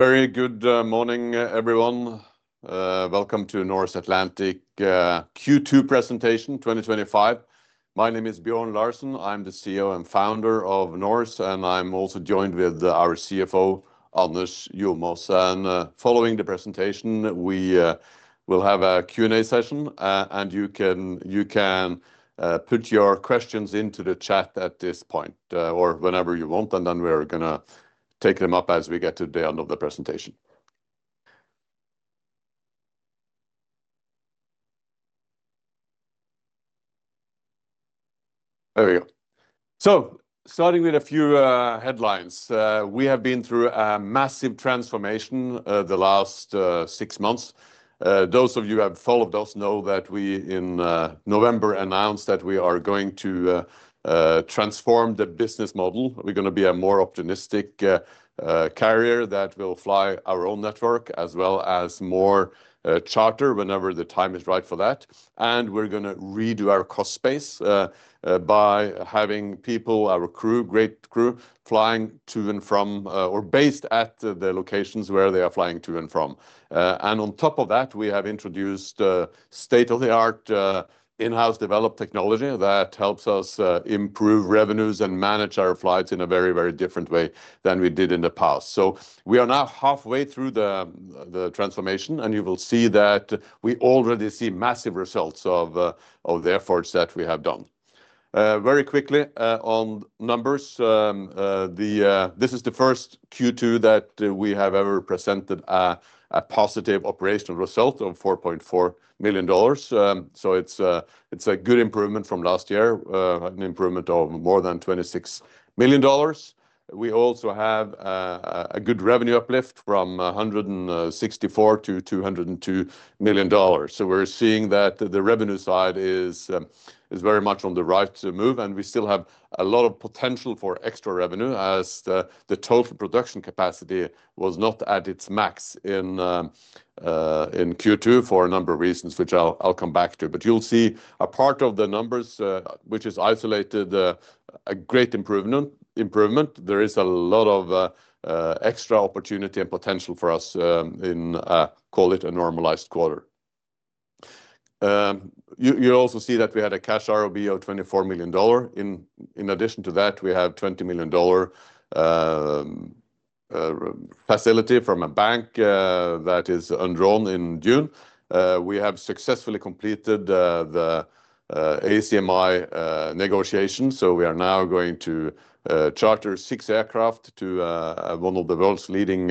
Very good morning, everyone. Welcome to the Norse Atlantic ASA Q2 Presentation 2025. My name is Bjørn Larsen. I'm the CEO and founder of Norse, and I'm also joined with our CFO, Anders Jomaas. Following the presentation, we will have a Q&A session, and you can put your questions into the chat at this point or whenever you want, and then we're going to take them up as we get to the end of the presentation. There we go. Starting with a few headlines, we have been through a massive transformation the last six months. Those of you who have followed us know that we in November announced that we are going to transform the business model. We're going to be a more optimistic carrier that will fly our own network as well as more charter operations whenever the time is right for that. We're going to redo our cost base by having people, our crew, great crew, flying to and from, or based at the locations where they are flying to and from. On top of that, we have introduced state-of-the-art in-house developed technology that helps us improve revenues and manage our flights in a very, very different way than we did in the past. We are now halfway through the transformation, and you will see that we already see massive results of the efforts that we have done. Very quickly on numbers, this is the first Q2 that we have ever presented a positive operational result of $4.4 million. It's a good improvement from last year, an improvement of more than $26 million. We also have a good revenue uplift from $164 million to $202 million. We're seeing that the revenue side is very much on the right to move, and we still have a lot of potential for extra revenue as the total production capacity was not at its max in Q2 for a number of reasons, which I'll come back to. You'll see a part of the numbers, which is isolated, a great improvement. There is a lot of extra opportunity and potential for us in, call it, a normalized quarter. You also see that we had a cash ROB of $24 million. In addition to that, we had a $20 million facility from a bank that is undrawn in June. We have successfully completed the ACMI negotiations, so we are now going to charter six aircraft to one of the world's leading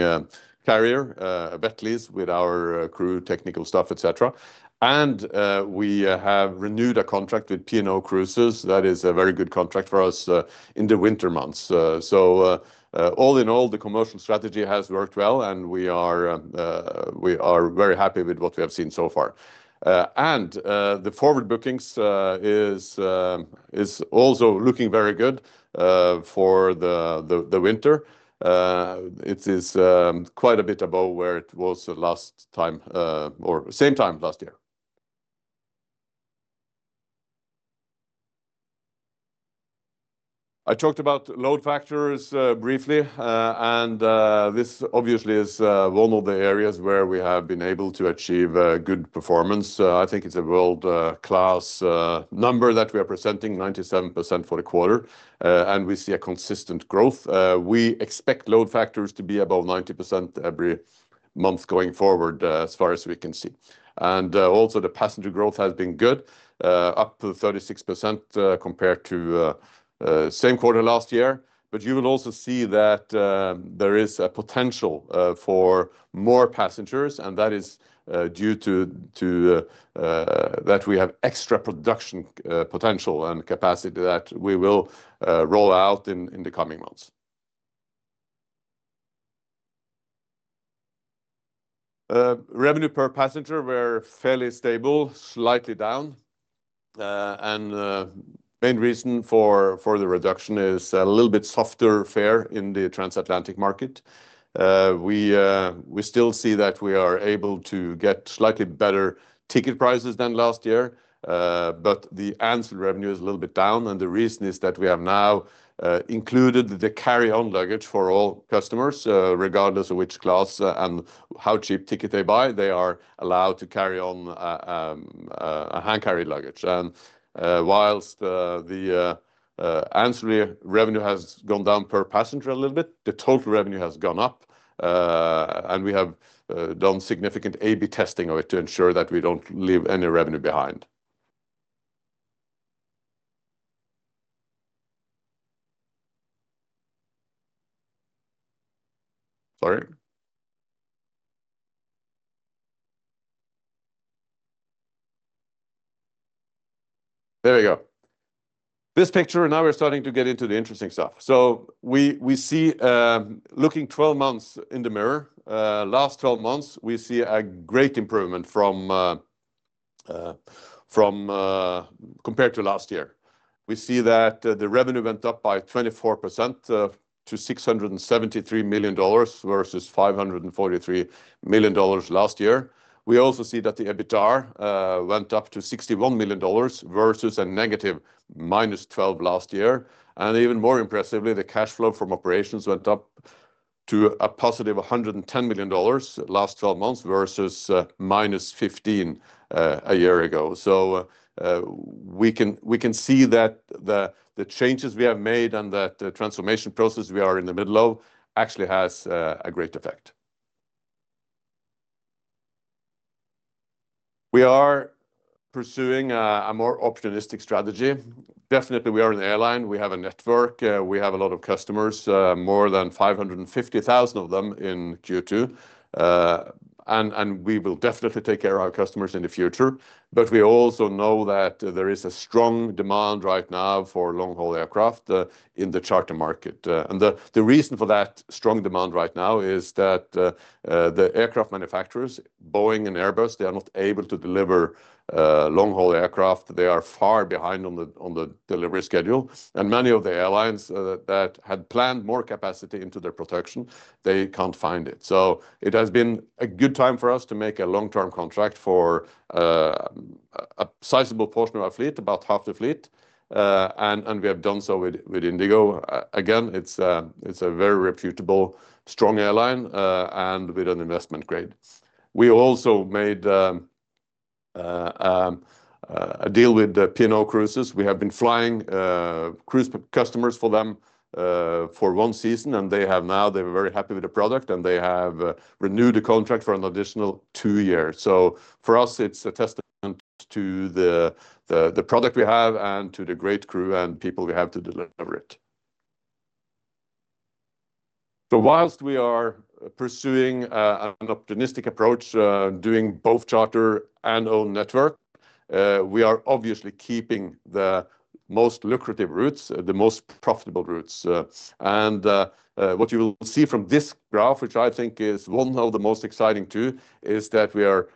carriers, wet-lease, with our crew, technical staff, etc. We have renewed a contract with P&O Cruises. That is a very good contract for us in the winter months. All in all, the commercial strategy has worked well, and we are very happy with what we have seen so far. The forward bookings are also looking very good for the winter. It is quite a bit above where it was the last time, or same time last year. I talked about load factors briefly, and this obviously is one of the areas where we have been able to achieve good performance. I think it's a world-class number that we are presenting, 97% for the quarter, and we see a consistent growth. We expect load factors to be above 90% every month going forward, as far as we can see. Also, the passenger growth has been good, up 36% compared to the same quarter last year. You will also see that there is a potential for more passengers, and that is due to that we have extra production potential and capacity that we will roll out in the coming months. Revenue per passenger is fairly stable, slightly down. The main reason for the reduction is a little bit softer fare in the transatlantic market. We still see that we are able to get slightly better ticket prices than last year, but the ancillary revenue is a little bit down. The reason is that we have now included the carry-on luggage for all customers, regardless of which class and how cheap ticket they buy, they are allowed to carry on a hand-carry luggage. Whilst the ancillary revenue has gone down per passenger a little bit, the total revenue has gone up. We have done significant A/B testing to ensure that we don't leave any revenue behind. This picture, now we're starting to get into the interesting stuff. We see, looking 12 months in the mirror, last 12 months, we see a great improvement compared to last year. We see that the revenue went up by 24% to $673 million versus $543 million last year. We also see that the EBITDA went up to $61 million versus a -$12 million last year. Even more impressively, the cash flow from operations went up to a +$110 million last 12 months versus -$15 million a year ago. We can see that the changes we have made and that the transformation process we are in the middle of actually has a great effect. We are pursuing a more optimistic strategy. Definitely, we are an airline. We have a network. We have a lot of customers, more than 550,000 of them in Q2. We will definitely take care of our customers in the future. We also know that there is a strong demand right now for long-haul aircraft in the charter market. The reason for that strong demand right now is that the aircraft manufacturers, Boeing and Airbus, are not able to deliver long-haul aircraft. They are far behind on the delivery schedule. Many of the airlines that had planned more capacity into their production can't find it. It has been a good time for us to make a long-term contract for a sizable portion of our fleet, about half the fleet. We have done so with IndiGo. It's a very reputable, strong airline and with an investment grade. We also made a deal with P&O Cruises. We have been flying cruise customers for them for one season, and they were very happy with the product, and they have renewed the contract for an additional two years. For us, it's a testament to the product we have and to the great crew and people we have to deliver it. Whilst we are pursuing an optimistic approach, doing both charter operations and our own network, we are obviously keeping the most lucrative routes, the most profitable routes. What you will see from this graph, which I think is one of the most exciting too, is that we are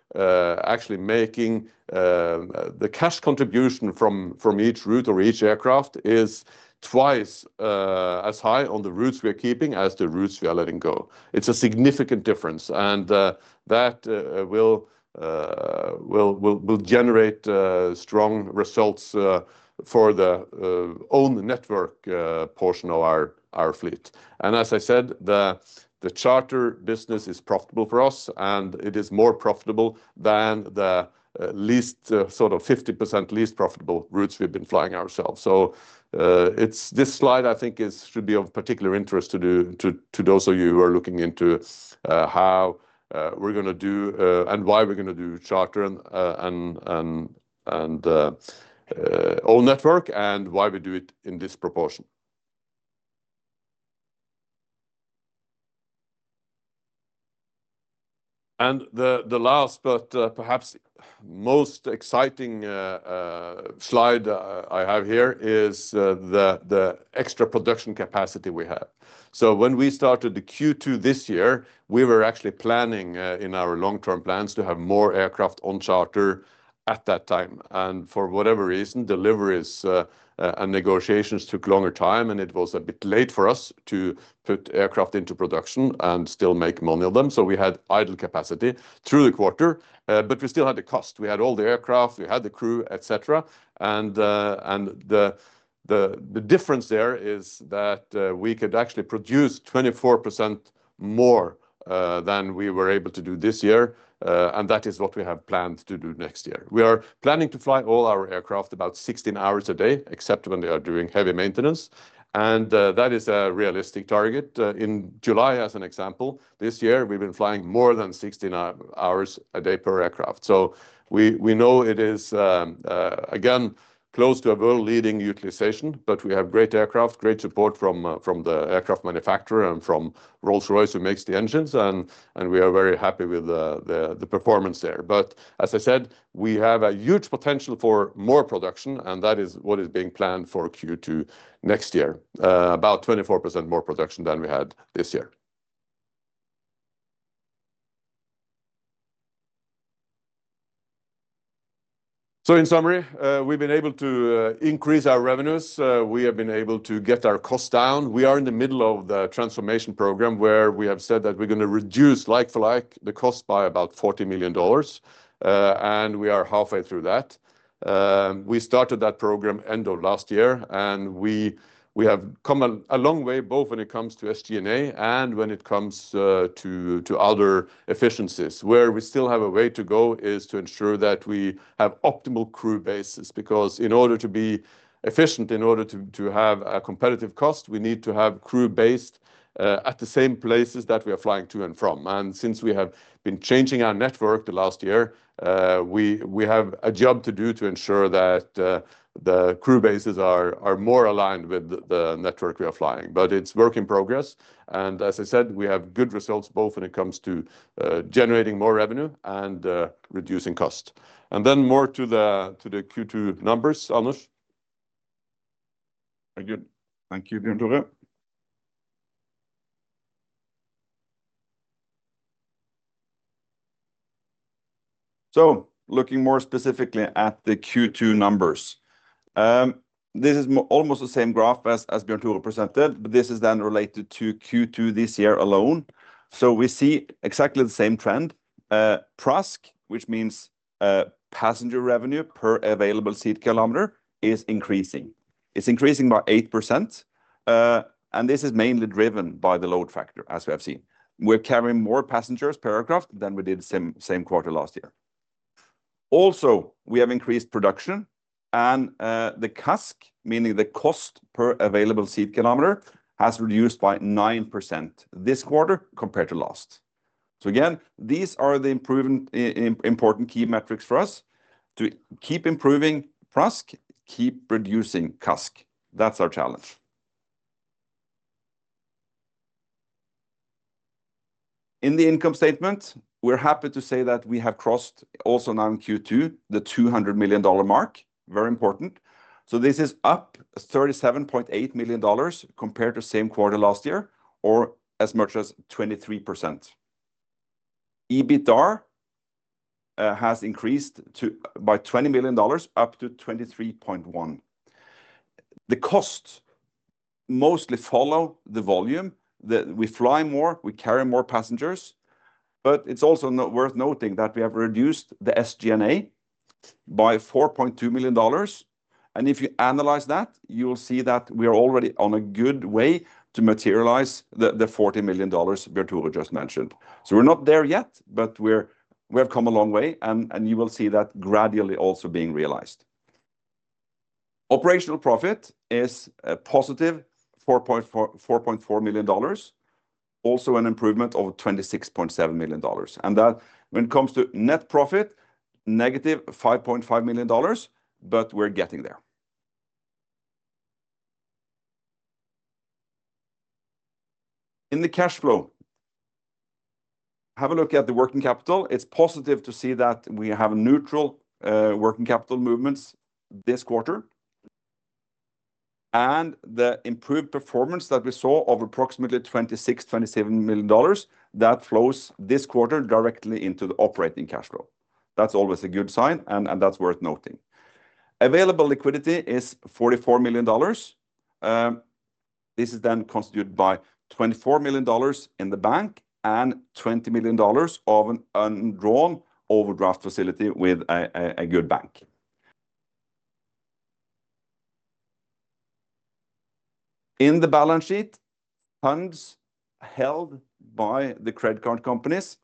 actually making the cash contribution from each route or each aircraft twice as high on the routes we are keeping as the routes we are letting go. It's a significant difference. That will generate strong results for the own network portion of our fleet. As I said, the charter business is profitable for us, and it is more profitable than the least, sort of 50% least profitable routes we've been flying ourselves. This slide, I think, should be of particular interest to those of you who are looking into how we're going to do and why we're going to do charter operations and own network and why we do it in this proportion. The last, but perhaps most exciting slide I have here, is the extra production capacity we have. When we started Q2 this year, we were actually planning in our long-term plans to have more aircraft on charter at that time. For whatever reason, deliveries and negotiations took a longer time, and it was a bit late for us to put aircraft into production and still make money on them. We had idle capacity through the quarter, but we still had the cost. We had all the aircraft, we had the crew, etc. The difference there is that we could actually produce 24% more than we were able to do this year, and that is what we have planned to do next year. We are planning to fly all our aircraft about 16 hours a day, except when they are doing heavy maintenance. That is a realistic target. In July, as an example, this year, we've been flying more than 16 hours a day per aircraft. We know it is, again, close to a world-leading utilization, but we have great aircraft, great support from the aircraft manufacturer and from Rolls-Royce who makes the engines, and we are very happy with the performance there. As I said, we have a huge potential for more production, and that is what is being planned for Q2 next year, about 24% more production than we had this year. In summary, we've been able to increase our revenues. We have been able to get our costs down. We are in the middle of the transformation program where we have said that we're going to reduce, like for like, the cost by about $40 million, and we are halfway through that. We started that program end of last year, and we have come a long way both when it comes to SG&A and when it comes to other efficiencies. Where we still have a way to go is to ensure that we have optimal crew bases because in order to be efficient, in order to have a competitive cost, we need to have crew based at the same places that we are flying to and from. Since we have been changing our network the last year, we have a job to do to ensure that the crew bases are more aligned with the network we are flying. It's a work in progress. As I said, we have good results both when it comes to generating more revenue and reducing costs. More to the Q2 numbers, Anders. Thank you, Bjørn Tore. Looking more specifically at the Q2 numbers, this is almost the same graph as Bjørn Tore presented, but this is then related to Q2 this year alone. We see exactly the same trend. PRASK, which means passenger revenue per available seat kilometer, is increasing. It's increasing by 8%. This is mainly driven by the load factor, as we have seen. We're carrying more passengers per aircraft than we did the same quarter last year. Also, we have increased production, and the CASK, meaning the cost per available seat kilometer, has reduced by 9% this quarter compared to last. These are the important key metrics for us to keep improving PRASK and keep reducing CASK. That's our challenge. In the income statement, we're happy to say that we have crossed also now in Q2 the $200 million mark, very important. This is up $37.8 million compared to the same quarter last year, or as much as 23%. EBITDA has increased by $20 million, up to $23.1 million. The costs mostly follow the volume. We fly more, we carry more passengers, but it's also worth noting that we have reduced the SG&A by $4.2 million. If you analyze that, you will see that we are already on a good way to materialize the $40 million Bjørn Tore just mentioned. We're not there yet, but we have come a long way, and you will see that gradually also being realized. Operational profit is +$4.4 million, also an improvement of $26.7 million. When it comes to net profit, -$5.5 million, but we're getting there. In the cash flow, have a look at the working capital. It's positive to see that we have neutral working capital movements this quarter. The improved performance that we saw of approximately $26 million-$27 million flows this quarter directly into the operating cash flow. That's always a good sign, and that's worth noting. Available liquidity is $44 million. This is then constituted by $24 million in the bank and $20 million of an undrawn overdraft facility with a good bank. In the balance sheet, funds held by the credit card companies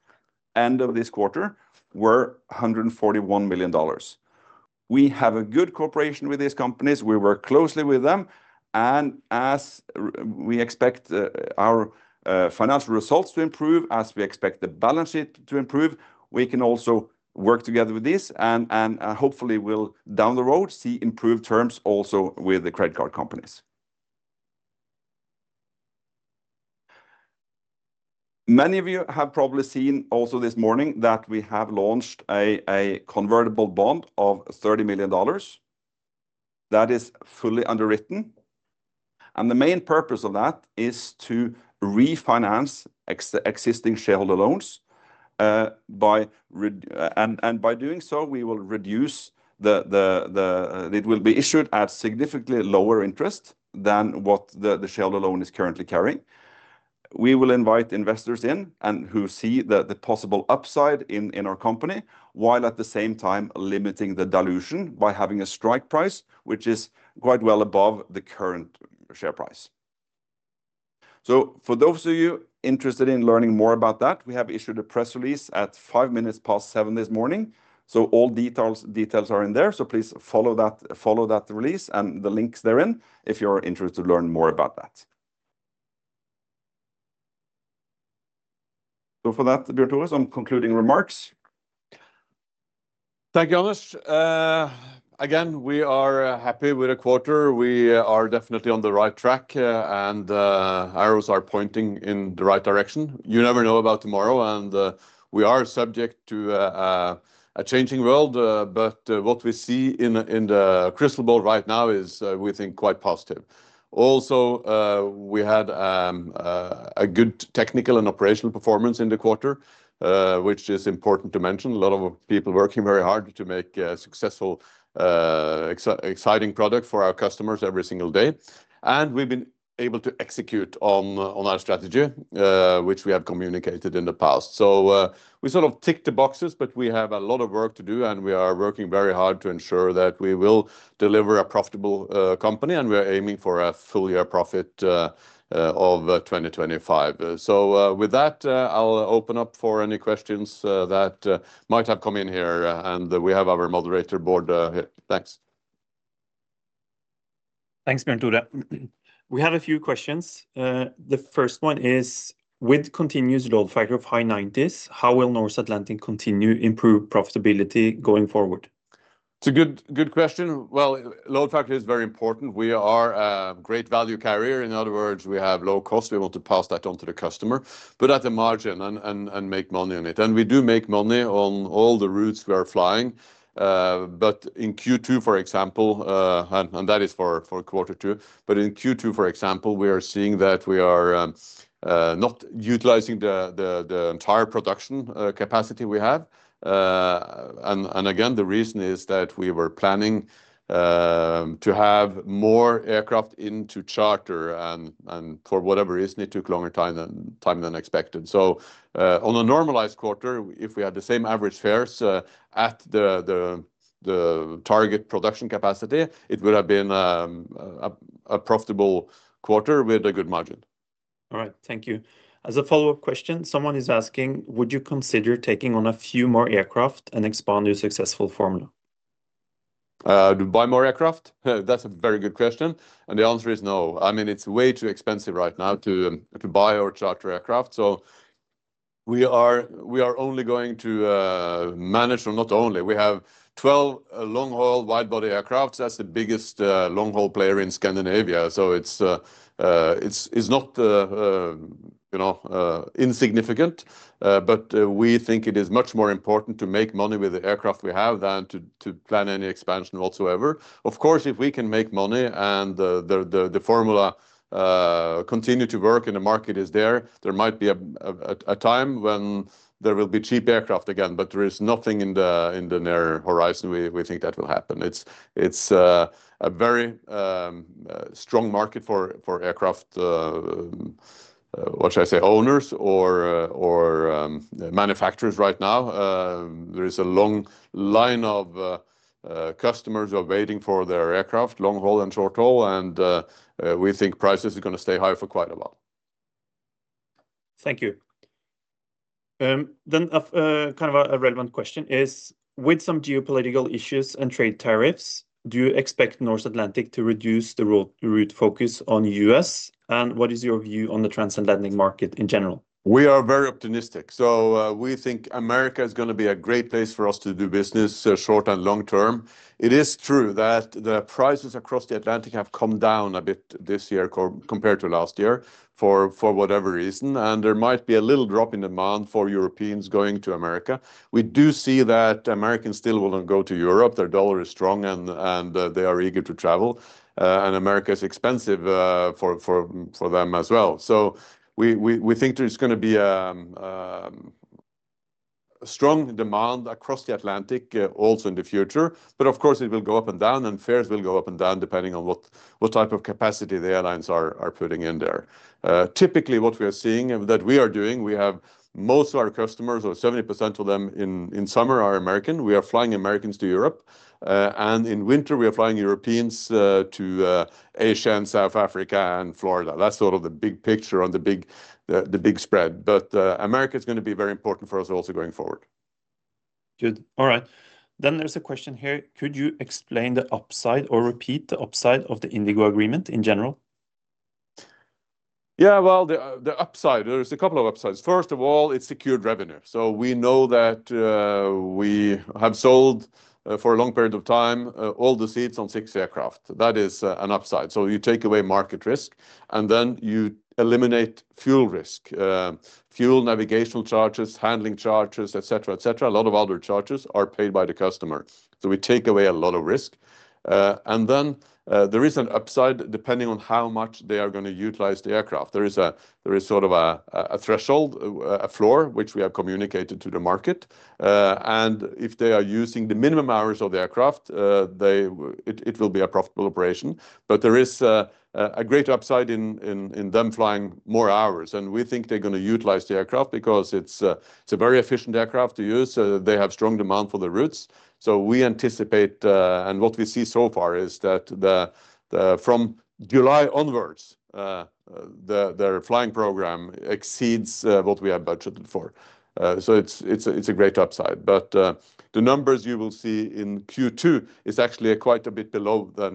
end of this quarter were $141 million. We have a good cooperation with these companies. We work closely with them. As we expect our financial results to improve, as we expect the balance sheet to improve, we can also work together with this. Hopefully, we'll down the road see improved terms also with the credit card companies. Many of you have probably seen also this morning that we have launched a convertible bond of $30 million that is fully underwritten. The main purpose of that is to refinance existing shareholder loans. By doing so, we will reduce the... It will be issued at significantly lower interest than what the shareholder loan is currently carrying. We will invite investors in who see the possible upside in our company, while at the same time limiting the dilution by having a strike price, which is quite well above the current share price. For those of you interested in learning more about that, we have issued a press release at 7:05 AM. this morning. All details are in there. Please follow that release and the links therein if you're interested to learn more about that. For that, Bjørn Tore, some concluding remarks. Thank you, Anders. Again, we are happy with the quarter. We are definitely on the right track, and arrows are pointing in the right direction. You never know about tomorrow, and we are subject to a changing world. What we see in the crystal ball right now is, we think, quite positive. Also, we had a good technical and operational performance in the quarter, which is important to mention. A lot of people working very hard to make a successful, exciting product for our customers every single day. We've been able to execute on our strategy, which we have communicated in the past. We sort of ticked the boxes, but we have a lot of work to do, and we are working very hard to ensure that we will deliver a profitable company, and we're aiming for a full-year profit of 2025. With that, I'll open up for any questions that might have come in here, and we have our moderator board here. Thanks. Thanks, Bjørn Tore. We have a few questions. The first one is, with continuous load factor of high 90%, how will Norse Atlantic continue to improve profitability going forward? It's a good question. Load factor is very important. We are a great value carrier. In other words, we have low cost. We want to pass that on to the customer, but at the margin and make money on it. We do make money on all the routes we are flying. In Q2, for example, and that is for quarter two, we are seeing that we are not utilizing the entire production capacity we have. The reason is that we were planning to have more aircraft into charter, and for whatever reason, it took longer time than expected. On a normalized quarter, if we had the same average fares at the target production capacity, it would have been a profitable quarter with a good margin. All right, thank you. As a follow-up question, someone is asking, would you consider taking on a few more aircraft and expand your successful formula? To buy more aircraft? That's a very good question. The answer is no. I mean, it's way too expensive right now to buy or charter aircraft. We are only going to manage, or not only, we have 12 long-haul widebody aircraft. That's the biggest long-haul player in Scandinavia. It's not insignificant, but we think it is much more important to make money with the aircraft we have than to plan any expansion whatsoever. Of course, if we can make money and the formula continues to work and the market is there, there might be a time when there will be cheap aircraft again, but there is nothing in the near horizon we think that will happen. It's a very strong market for aircraft, what should I say, owners or manufacturers right now. There is a long line of customers who are waiting for their aircraft, long-haul and short-haul, and we think prices are going to stay high for quite a while. Thank you. A kind of a relevant question is, with some geopolitical issues and trade tariffs, do you expect Norse Atlantic ASA to reduce the route focus on the U.S.? What is your view on the transatlantic market in general? We are very optimistic. We think America is going to be a great place for us to do business short and long term. It is true that the prices across the Atlantic have come down a bit this year compared to last year for whatever reason, and there might be a little drop in demand for Europeans going to America. We do see that Americans still want to go to Europe. Their dollar is strong and they are eager to travel, and America is expensive for them as well. We think there's going to be a strong demand across the Atlantic also in the future, of course it will go up and down and fares will go up and down depending on what type of capacity the airlines are putting in there. Typically, what we are seeing and that we are doing, we have most of our customers, or 70% of them in summer, are American. We are flying Americans to Europe, and in winter we are flying Europeans to Asia and South Africa and Florida. That's sort of the big picture on the big spread. America is going to be very important for us also going forward. All right. There's a question here. Could you explain the upside or repeat the upside of the IndiGo agreement in general? Yeah, the upside, there's a couple of upsides. First of all, it's secured revenue. We know that we have sold for a long period of time all the seats on six aircraft. That is an upside. You take away market risk and then you eliminate fuel risk, fuel navigational charges, handling charges, etc., etc. A lot of other charges are paid by the customer. We take away a lot of risk. There is an upside depending on how much they are going to utilize the aircraft. There is sort of a threshold, a floor, which we have communicated to the market. If they are using the minimum hours of the aircraft, it will be a profitable operation. There is a great upside in them flying more hours. We think they are going to utilize the aircraft because it's a very efficient aircraft to use. They have strong demand for the routes. We anticipate, and what we see so far is that from July onwards, their flying program exceeds what we have budgeted for. It's a great upside. The numbers you will see in Q2 are actually quite a bit below the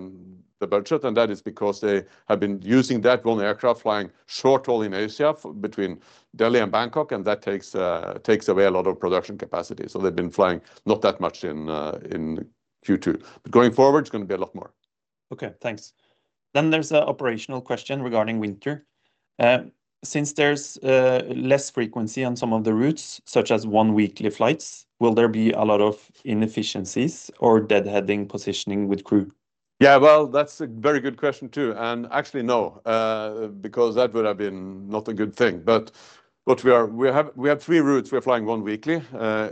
budget, and that is because they have been using that one aircraft flying short haul in Asia between Delhi and Bangkok, and that takes away a lot of production capacity. They have been flying not that much in Q2. Going forward, it's going to be a lot more. Okay, thanks. There's an operational question regarding winter. Since there's less frequency on some of the routes, such as one-weekly flights, will there be a lot of inefficiencies or deadheading positioning with crew? That's a very good question too. Actually, no, because that would have been not a good thing. What we have, we have three routes we're flying one weekly.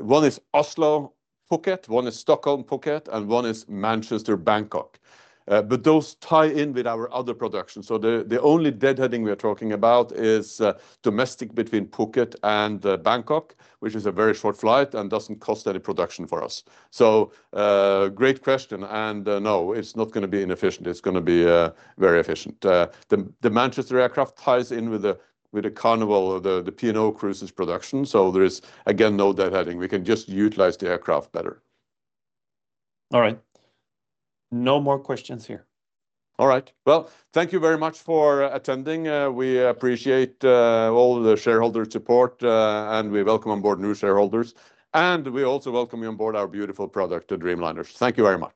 One is Oslo-Phuket, one is Stockholm-Phuket, and one is Manchester-Bangkok. Those tie in with our other production. The only deadheading we're talking about is domestic between Phuket and Bangkok, which is a very short flight and doesn't cost any production for us. Great question. No, it's not going to be inefficient. It's going to be very efficient. The Manchester aircraft ties in with the P&O Cruises production. There is, again, no deadheading. We can just utilize the aircraft better. All right. No more questions here. All right. Thank you very much for attending. We appreciate all the shareholder support, and we welcome on board new shareholders. We also welcome you on board our beautiful product, the Dreamliners. Thank you very much.